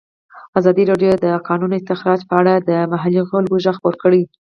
ازادي راډیو د د کانونو استخراج په اړه د محلي خلکو غږ خپور کړی.